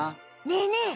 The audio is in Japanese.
ねえねえ